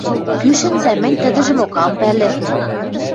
– Кӱ шӹнзӓ, мӹнь тӹдӹжӹмок ам пӓлӹ...